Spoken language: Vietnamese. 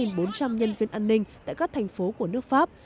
một trăm ba mươi chín bốn trăm linh nhân viên an ninh tại các thành phố của nước pháp